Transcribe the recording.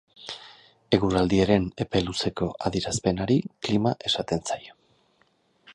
Eguraldiaren epe luzeko adierazpenari klima esaten zaio.